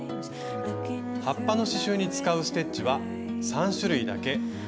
葉っぱの刺しゅうに使うステッチは３種類だけ。